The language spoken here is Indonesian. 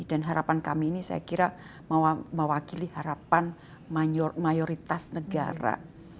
dan harapan kami ini saya kira mewakili harapan mayoritas negara